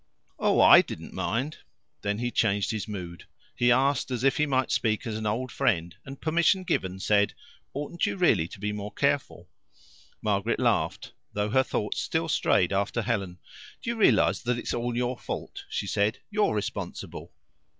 "Oh, I didn't mind." Then he changed his mood. He asked if he might speak as an old friend, and, permission given, said: "Oughtn't you really to be more careful?" Margaret laughed, though her thoughts still strayed after Helen. "Do you realize that it's all your fault?" she said. "You're responsible."